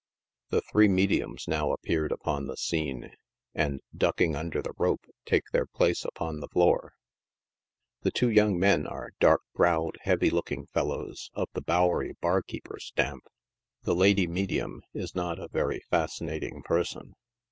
The three mediums now appeared upon the scene, and duck ing under the rope, take their place upon the floor. The two young men are dark browed, heavy looking fellows, of the Bowery bar keeper stamp. The " lady medium" is not a very fascinating per son.